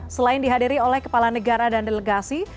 selain dihadiri oleh kepala negara dan delegasi